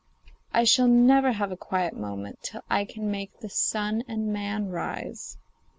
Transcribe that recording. I shall never have a quiet moment till I can make the sun and man rise.